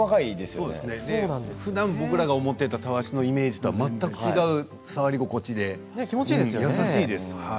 ふだん僕らが思っているたわしのイメージとは全く違う触り心地で優しいです。